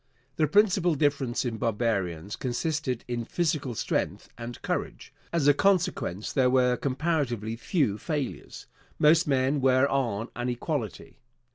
The principal difference in barbarians consisted in physical strength and courage. As a consequence, there were comparatively few failures. Most men were on an equality.